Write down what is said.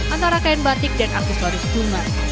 antara kain batik dan artis waris jumat